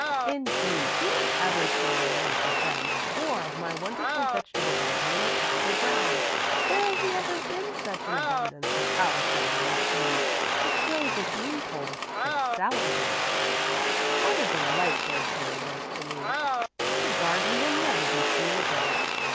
Indeed, who has ever seen the like of them or of my wonderful vegetable garden in the castle grounds? There has never been such an abundance of cauliflower and peas, such rows of bean poles, such salad beds. What a delight their care was to me. Such a garden will never be seen again.